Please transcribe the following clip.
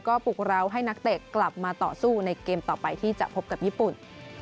ก็ปลุกเราให้นักเตะกลับมาต่อสู้ในเกมต่อไปที่จะพบกับญี่ปุ่น